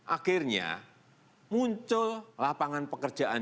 akhirnya muncul lapangan pekerjaan